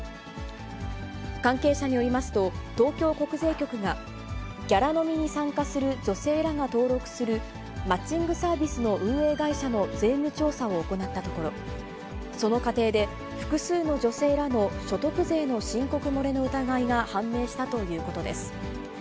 関係者によりますと、東京国税局が、ギャラ飲みに参加する女性らが登録するマッチングサービスの運営会社の税務調査を行ったところ、その過程で、複数の女性らの所得税の申告漏れの疑いが判明したということです。